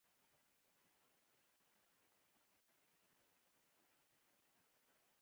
کابل د افغانستان د ټولنې لپاره بنسټيز رول لري.